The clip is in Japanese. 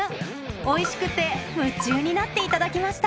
おいしくて夢中になって頂きました。